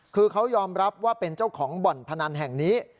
คือเขายอมรับว่าเป็นเจ้าของบ่อนพนันแห่งนี้